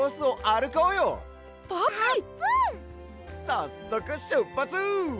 さっそくしゅっぱつ！